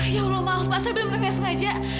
ya allah maaf pak saya belum dengar sengaja